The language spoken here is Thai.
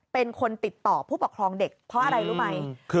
เป็นคนติดต่อผู้ปกครองเด็กเพราะอะไรรู้ไหม